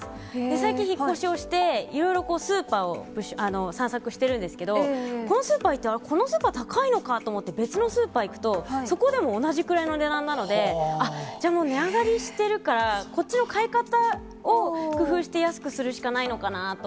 最近引っ越しをして、いろいろこう、スーパーを散策してるんですけど、このスーパー行ったら、あっ、このスーパー高いのかと思って別のスーパー行くと、そこでも同じくらいの値段なので、あっ、じゃあもう、値上がりしてるから、こっちの買い方を工夫して安くするしかないのかなと。